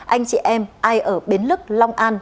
anh chị em ai ở bến lức long an